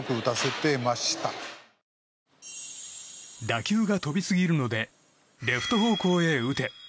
打球が飛びすぎるのでレフト方向へ打て。